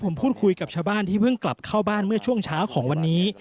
ผมพูดคุยกับชาวบ้านที่เพิ่งกลับเข้าบ้านเมื่อช่วงเช้าของวันนี้